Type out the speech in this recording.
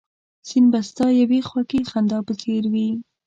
سیند به ستا یوې خوږې خندا په څېر وي